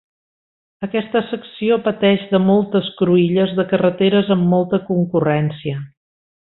Aquesta secció pateix de moltes cruïlles de carreteres amb molta concurrència.